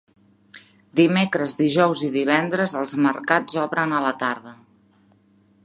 Dimecres, dijous i divendres els mercats obren a la tarda.